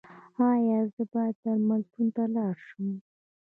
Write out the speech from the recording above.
ایا زه باید درملتون ته لاړ شم؟